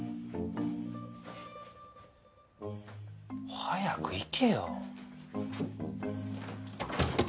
早く行けよ。